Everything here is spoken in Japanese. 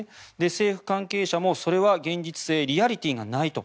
政府関係者もそれは現実性、リアリティーがないと。